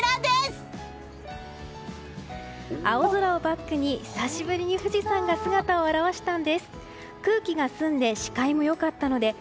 青空をバックに久しぶりに富士山が姿を現したんです。